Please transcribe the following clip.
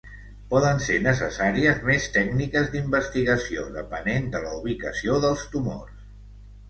Poden ser necessàries més tècniques d'investigació depenent de la ubicació dels tumors.